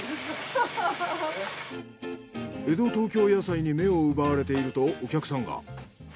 江戸東京野菜に目を奪われているとお客さんが。